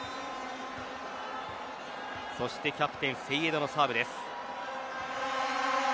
そしてキャプテンセイエドのサーブです。